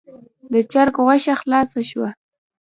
د چرګ غوښه خلاصه شوه.